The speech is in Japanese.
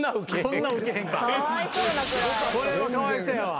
これかが屋かわいそうやわ。